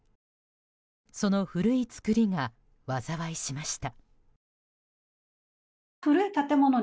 その古い造りが災いしました。